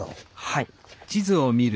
はい。